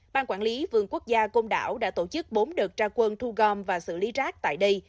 ban quản lý vườn quốc gia công đảo đã tổ chức bốn đợt tra quân thu gom và xử lý rác tại đây